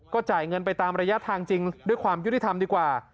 จ่ายเงินไปตามระยะทางจริงด้วยความยุติธรรมดีกว่า